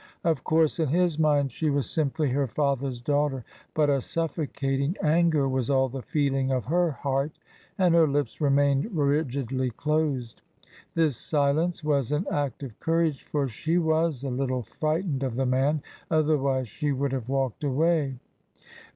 Of course in his mind she was simply her father's daughter. But a suffocating anger was all the feeling of her heart, and her lips remained rigidly closed. This silence was an act of courage, for she was a little frightened of the man; otherwise she would have walked away.